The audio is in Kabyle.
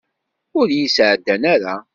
Ur yi-sεeddan ara.